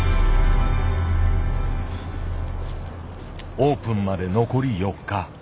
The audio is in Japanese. オープンまで残り４日。